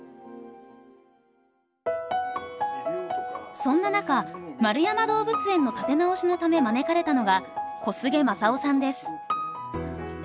そんな中円山動物園の立て直しのため招かれたのが小菅正夫さんです。